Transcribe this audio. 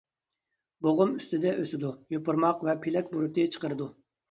بوغۇم ئۈستىدە ئۆسىدۇ، يوپۇرماق ۋە پېلەك بۇرۇتى چىقىرىدۇ.